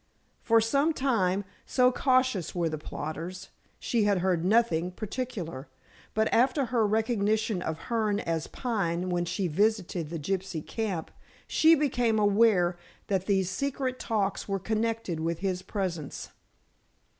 For some time, so cautious were the plotters, she had heard nothing particular, but after her recognition of Hearne as Pine when she visited the gypsy camp she became aware that these secret talks were connected with his presence.